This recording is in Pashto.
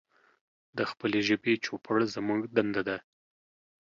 د خپلې ژبې چوپړ زمونږ دنده ده.